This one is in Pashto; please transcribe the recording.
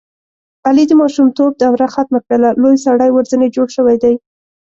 علي د ماشومتوب دروه ختمه کړله لوی سړی ورځنې جوړ شوی دی.